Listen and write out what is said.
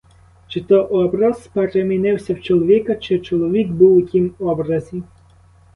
Чи то образ перемінився в чоловіка, чи чоловік був у тім образі?